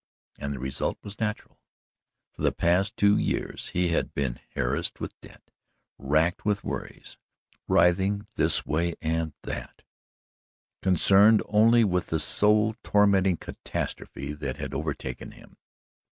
And the result was natural. For the past two years he had been harassed with debt, racked with worries, writhing this way and that, concerned only with the soul tormenting catastrophe that had overtaken him.